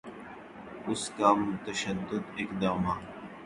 اس کا متشدد اقدامات